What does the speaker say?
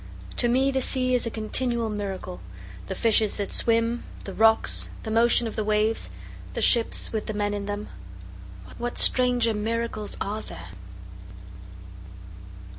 To me the sea is a continual miracle, The fishes that swim the rocks the motion of the waves the ships with the men in them, What stranger miracles are there?